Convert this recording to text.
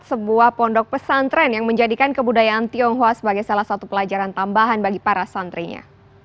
sebuah pondok pesantren yang menjadikan kebudayaan tionghoa sebagai salah satu pelajaran tambahan bagi para santrinya